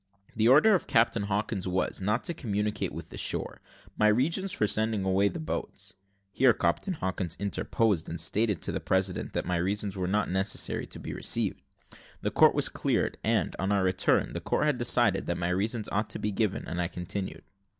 The order of Captain Hawkins was, not to communicate with the shore. My reasons for sending away the boats " Here Captain Hawkins interposed, and stated to the president that my reasons were not necessary to be received. The court was cleared, and, on our return, the court had decided that my reasons ought to be given, and I continued.